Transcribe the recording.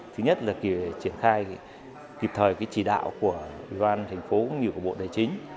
thứ nhất là kịp thời triển khai kịp thời chỉ đạo của ủy ban thành phố như của bộ đại chính